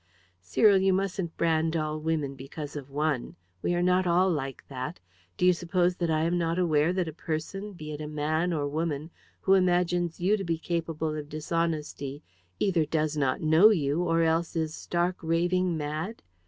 "Cyril, you mustn't brand all women because of one. We are not all like that. Do you suppose that I am not aware that the person, be it man or woman, who imagines you to be capable of dishonesty either does not know you, or else is stark, raving mad?